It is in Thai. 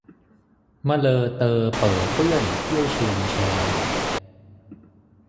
มะเลอเตอเป๋อเปื้อนเที่ยวเชือนแช